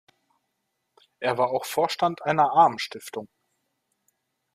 Er war auch Vorstand einer Armenstiftung.